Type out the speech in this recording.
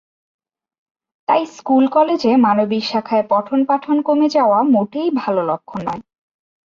তাই স্কুল-কলেজে মানবিক শাখায় পঠনপাঠন কমে যাওয়া মোটেই ভালো লক্ষণ নয়।